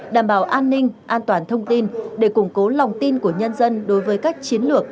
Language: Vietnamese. đảm bảo an ninh an toàn thông tin để củng cố lòng tin của nhân dân đối với các chiến lược